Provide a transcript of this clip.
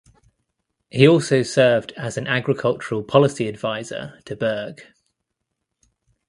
He also served as an agricultural policy advisor to Berg.